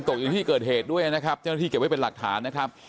อยู่ที่เกิดเหตุด้วยนะครับเจ้าหน้าที่เก็บไว้เป็นหลักฐานนะครับ